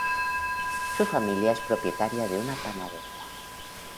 Su familia es propietaria de una panadería.